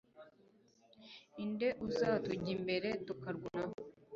inde uzatujya imbere tukarwana